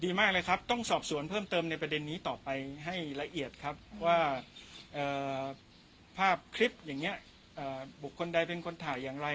ดีมากเลยครับต้องสอบสวนเพิ่มเติมในประเด็นนี้ต่อไปให้ละเอียดครับว่าภาพคลิปอย่างนี้บุคคลใดเป็นคนถ่ายอย่างไร